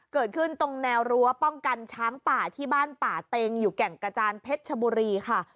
เกิดขึ้นตรงแนวรั้วป้องกันช้างป่าที่บ้านป่าเต็งอยู่แก่งกระจานเพชรชบุรีค่ะ